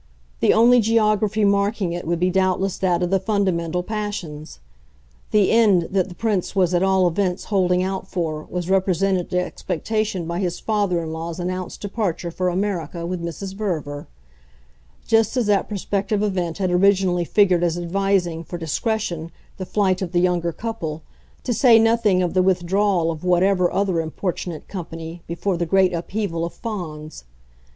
The only geography marking it would be doubtless that of the fundamental passions. The "end" that the Prince was at all events holding out for was represented to expectation by his father in law's announced departure for America with Mrs. Verver; just as that prospective event had originally figured as advising, for discretion, the flight of the younger couple, to say nothing of the withdrawal of whatever other importunate company, before the great upheaval of Fawns.